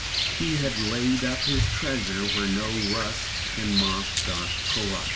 He had laid up his treasure where no rust and moth doth corrupt.